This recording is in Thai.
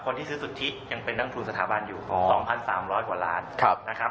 คนที่ซื้อสุทธิยังเป็นนักทุนสถาบันอยู่๒๓๐๐กว่าล้านนะครับ